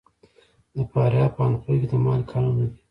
د فاریاب په اندخوی کې د مالګې کانونه دي.